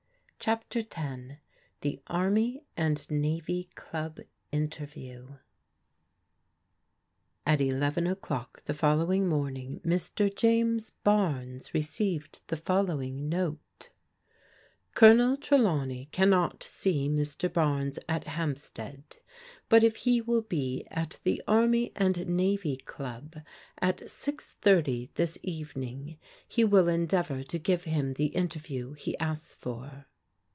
CHAPTER X THE ARMY AND NAVY CLUB INTERVIEW T eleven o'clock the following morning Mf^ James Bames received the following note: " Colonel Trelawney cannot see Mr. Bames at Hamp* stead, but if he will be at the Army and Navy Club at 6: 30 this evening he will endeavour to give him the in terview he asks for."